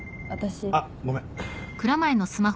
あっごめん。